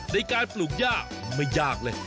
ในการปลูกย่าไม่ยากเลย